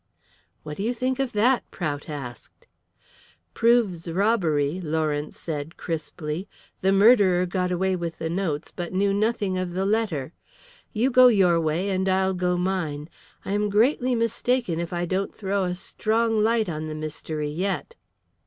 "What do you think of that?" Prout asked. "Proves robbery," Lawrence said, crisply. "The murderer got away with the notes, but knew nothing of the letter. You go your way and I'll go mine. I am greatly mistaken if I don't throw a strong light on the mystery yet."